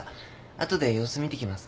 あとで様子見てきます。